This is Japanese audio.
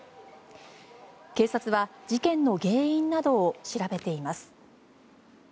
警察は事件の原因などを調べています。